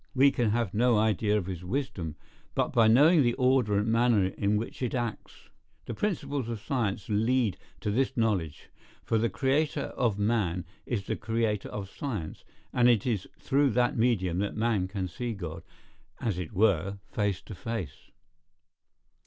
We can have no idea of his wisdom, but by knowing the order and manner in which it acts. The principles of science lead to this knowledge; for the Creator of man is the Creator of science, and it is through that medium that man can see God, as it were, face to face.